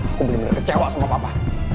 aku bener bener kecewa sama papa